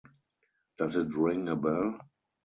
Does it ring a bell?